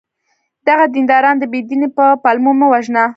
دغه دینداران د بې دینی په پلمو مه وژنه!